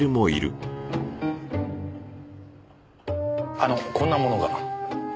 あのこんなものが。